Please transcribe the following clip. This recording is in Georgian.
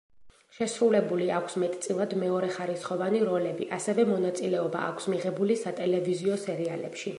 შესრულებული აქვს მეტწილად მეორეხარისხოვანი როლები, ასევე მონაწილეობა აქვს მიღებული სატელევიზიო სერიალებში.